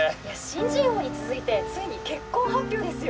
新人王に続いてついに結婚発表ですよ